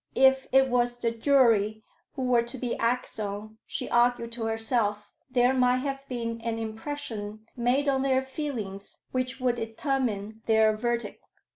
If it was the jury who were to be acted on, she argued to herself, there might have been an impression made on their feelings which would determine their verdict.